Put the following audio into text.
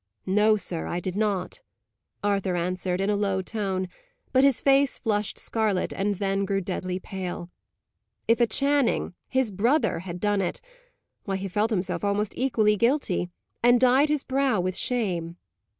"No, sir, I did not," Arthur answered, in a low tone; but his face flushed scarlet, and then grew deadly pale. If a Channing, his brother, had done it why, he felt himself almost equally guilty; and it dyed his brow with shame.